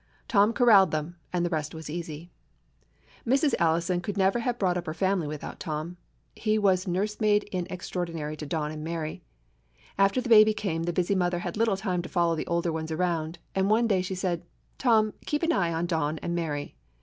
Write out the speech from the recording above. Tom corralled them, and the rest was easy. Mrs. Allison never could have brought up her family without Tom. He was nurse maid in extraordinary to Don and Mary. After the baby came the busy mother had little time to follow the older ones around, and one day she said, "Tom, keep an eye on Don and Mary."